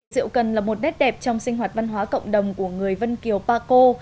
rượu cần là một nét đẹp trong sinh hoạt văn hóa cộng đồng của người vân kiều pa co